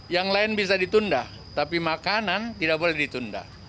yang lain bisa ditunda tapi makanan tidak boleh ditunda